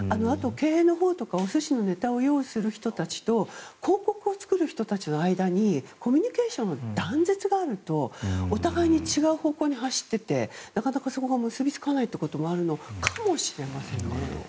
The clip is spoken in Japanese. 経営のほうとかお寿司のネタを用意する人たちと広告を作る人たちの間にコミュニケーションの断絶があるとお互いに違う方向に走っててなかなかそこが結びつかないことがあるのかもしれませんね。